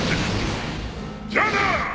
じゃあな！